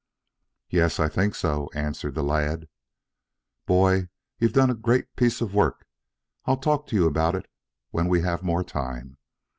"Yes, I think so," answered the lad. "Boy, you've done a great piece of work. I'll talk with you about it when we have more time.